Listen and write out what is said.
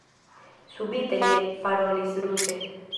Subite li ekparolis ruse: